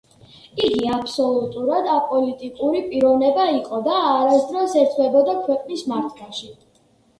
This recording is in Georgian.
იგი აბსოლუტურად აპოლიტიკური პიროვნება იყო და არასდროს ერთვებოდა ქვეყნის მართვაში.